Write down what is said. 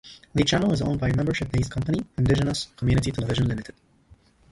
The channel is owned by membership-based company Indigenous Community Television Limited.